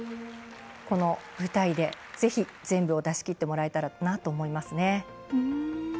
この舞台で、ぜひ全部を出しきってもらえたらなと思いますね。